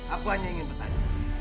aku hanya ingin bertanya